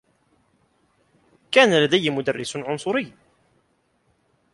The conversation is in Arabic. كان لديّ مدرّس عنصري.